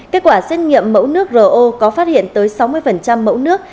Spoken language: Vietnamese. kết quả xét nghiệm mẫu nước rồ ô có phát hiện tới sáu mươi mẫu nước